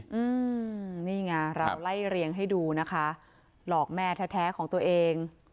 อืมนี่ไงเราไล่เรียงให้ดูนะคะหลอกแม่แท้แท้ของตัวเอง